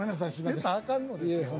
捨てたあかんのですよ。